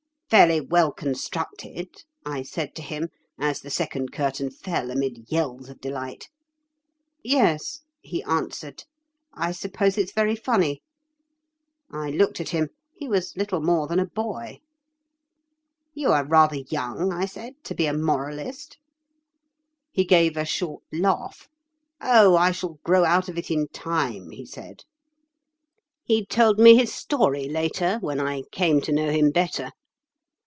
'Fairly well constructed,' I said to him, as the second curtain fell amid yells of delight. 'Yes,' he answered, 'I suppose it's very funny.' I looked at him; he was little more than a boy. 'You are rather young,' I said, 'to be a moralist.' He gave a short laugh. 'Oh! I shall grow out of it in time,' he said. He told me his story later, when I came to know him better.